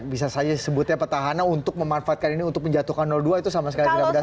bisa saja sebutnya petahana untuk memanfaatkan ini untuk menjatuhkan dua itu sama sekali tidak berhasil